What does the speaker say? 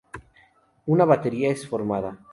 Una batería es formada.